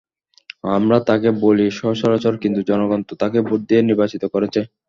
আমরা তাঁকে বলি স্বৈরাচার, কিন্তু জনগণ তো তাঁকে ভোট দিয়ে নির্বাচিত করেছে।